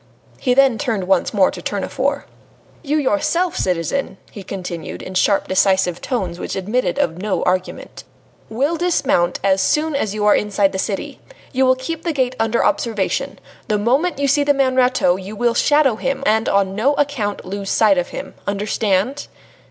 Then he turned once more to Tournefort. "You yourself, citizen," he continued, in sharp, decisive tones which admitted of no argument, "will dismount as soon as you are inside the city. You will keep the gate under observation. The moment you see the man Rateau, you will shadow him, and on no account lose sight of him. Understand?"